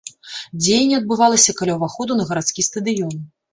Дзеянне адбывалася каля ўваходу на гарадскі стадыён.